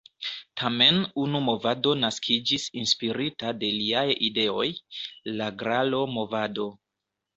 Tamen unu movado naskiĝis inspirita de liaj ideoj: la "Gralo-movado".